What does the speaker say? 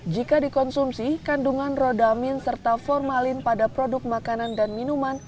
jika dikonsumsi kandungan rodamin serta formalin pada produk makanan dan minuman